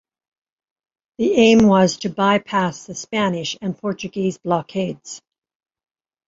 The aim was to bypass the Spanish and Portuguese blockades.